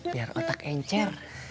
biar otak encer